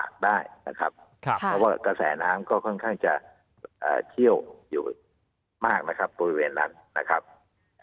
เพราะว่ากระแสน้ำจะเชี้ยวอยู่มากในโรงพยาบาล